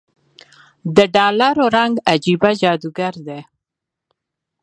دډالرو رنګ عجيبه جادوګر دی